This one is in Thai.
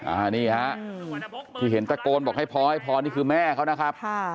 อันนี้ฮะที่เห็นตะโกนบอกให้พอให้พอนี่คือแม่เขานะครับค่ะ